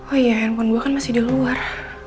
oh ya handphone gue kan masih di luar